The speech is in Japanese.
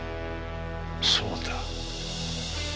そうだ！